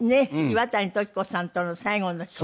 岩谷時子さんとの最後の曲。